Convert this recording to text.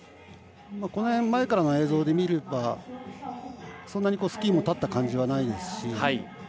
この前からの映像で見ればそんなにスキーも立った状態ではないですし。